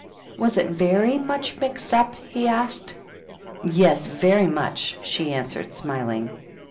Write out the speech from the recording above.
"Was it very much mixed up?" he asked. "Yes, very much," she answered, smiling.